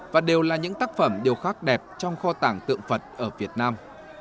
và đều là những tác phẩm điêu khắc đẹp trong kho tảng tượng phật ở việt nam